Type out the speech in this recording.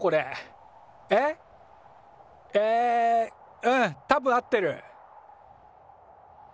えうんたぶん合ってる。